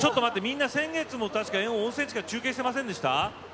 みんな先月も確か温泉地から中継してませんでした？